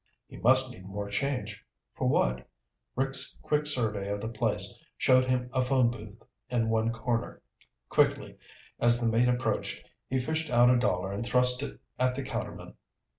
He must need more change. For what? Rick's quick survey of the place showed him a phone booth in one corner. Quickly, as the mate approached, he fished out a dollar and thrust it at the counterman.